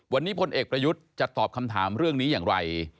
วันนี้พลเอกประยุทธ์จะตอบคำถามเรื่องนี้อย่างไร